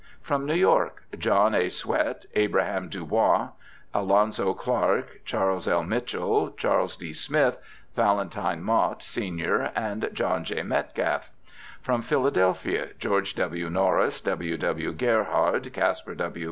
From New York : John A. Swett, Abraham Dubois, Alonzo Clark, Charles L. Mitchell, Charles D. Smith, Valentine Mott, sen., and John T. Metcalfe. From Philadelphia : Geo. W. Norris, W. W. Gerhard, Caspar W.